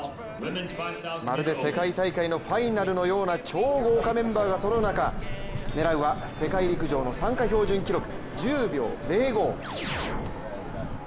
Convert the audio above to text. まるで世界大会のファイナルのような超豪華メンバーがそろう中、狙うは世界陸上の参加標準記録１０秒０５。